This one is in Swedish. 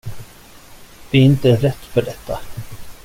Vi är inte rätt för detta.